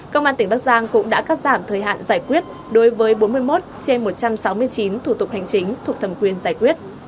công an tỉnh bắc giang cũng đã cắt giảm thời hạn giải quyết đối với bốn mươi một trên một trăm sáu mươi chín thủ tục hành chính thuộc thẩm quyền giải quyết